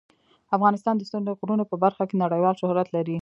افغانستان د ستوني غرونه په برخه کې نړیوال شهرت لري.